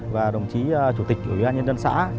và đồng chí chủ tịch của gia nhân dân xã